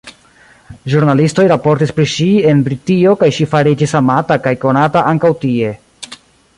Ĵurnalistoj raportis pri ŝi en Britio kaj ŝi fariĝis amata kaj konata ankaŭ tie.